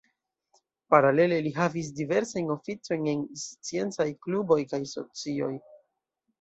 Paralele li havis diversajn oficojn en sciencaj kluboj kaj socioj.